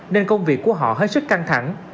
nên công việc của họ hết sức căng thẳng